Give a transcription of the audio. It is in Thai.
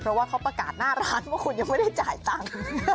เพราะว่าเขาประกาศหน้าร้านว่าคุณยังไม่ได้จ่ายตังค์